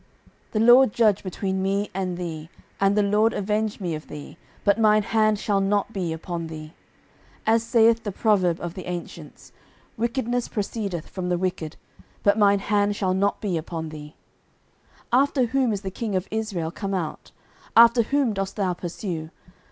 09:024:012 The LORD judge between me and thee, and the LORD avenge me of thee: but mine hand shall not be upon thee. 09:024:013 As saith the proverb of the ancients, Wickedness proceedeth from the wicked: but mine hand shall not be upon thee. 09:024:014 After whom is the king of Israel come out? after whom dost thou pursue?